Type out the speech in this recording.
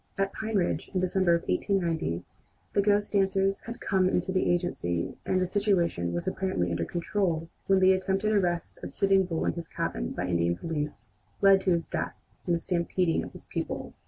At Pine Ridge, in December of 1890, the ghost dancers had come in to the agency and the situation was apparently under control when the attempted arrest of Sitting Bull in his cabin by Indian police led to his death and the stampeding of his people.